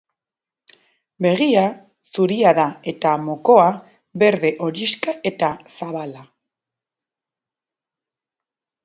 Begia zuria da eta mokoa berde-horixka eta zabala.